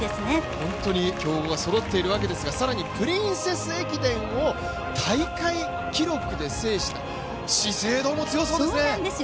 本当に強豪がそろっているわけですが、更にプリンセス駅伝を大会記録で制した資生堂も強そうですね。